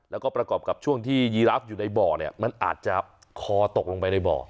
แล้วก็ประกอบกับช่วงที่ยีราฟอยู่ในบ่อเนี่ยมันอาจจะคอตกลงไปในบ่อ